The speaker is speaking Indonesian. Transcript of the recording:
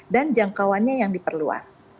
dan jangkauannya yang diperluas